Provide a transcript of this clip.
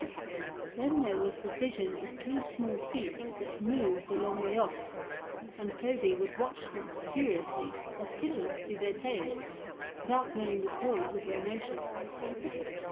Then there was the vision of two small feet that moved a long way off, and Toby would watch them curiously as kittens do their tails, without knowing the cause of their motion.